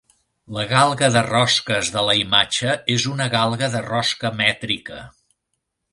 La galga de rosques de la imatge és una galga de rosca mètrica.